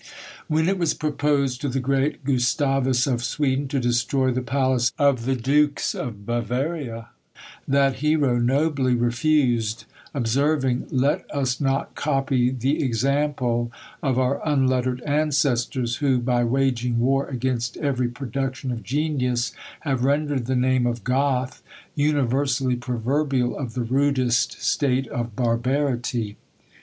When it was proposed to the great Gustavus of Sweden to destroy the palace of the Dukes of Bavaria, that hero nobly refused; observing, "Let us not copy the example of our unlettered ancestors, who, by waging war against every production of genius, have rendered the name of GOTH universally proverbial of the rudest state of barbarity."